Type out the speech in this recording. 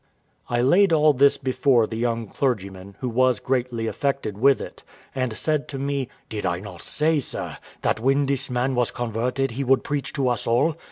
I laid all this before the young clergyman, who was greatly affected with it, and said to me, "Did I not say, sir, that when this man was converted he would preach to us all?